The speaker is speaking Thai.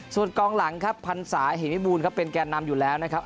ส่วนกองหลังครับพันศาเหมิบูลครับเป็นแก่นำอยู่แล้วนะครับ